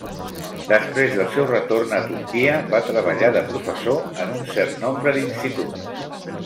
Després del seu retorn a Turquia, va treballar de professor en un cert nombre d'instituts.